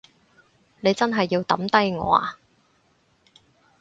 你真係要抌低我呀？